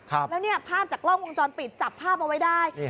แล้วนี่ภาพจากกล้องวงจรปิดจับภาพเอาไว้ได้